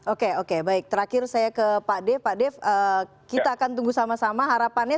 oke oke baik terakhir saya ke pak dev pak dev kita akan tunggu sama sama harapannya